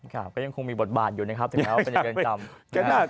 ก็ยังคงมีบทบาทอยู่นะครับถึงแล้วเป็นอย่างเกินจำ